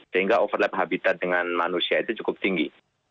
sehingga overlap habitat dengan manusia itu cukup tinggi